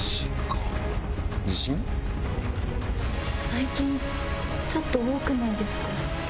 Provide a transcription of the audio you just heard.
最近ちょっと多くないですか？